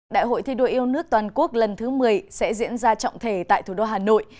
đại hội thi đua yêu nước toàn quốc lần thứ một mươi sẽ diễn ra trọng thể tại thủ đô hà nội